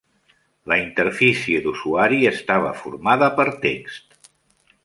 La interfície d'usuari estava formada per text.